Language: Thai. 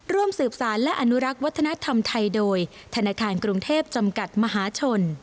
ร่วมสืบสารและอนุรักษ์วัฒนธรรมไทยโดยธนาคารกรุงเทพจำกัดมหาชน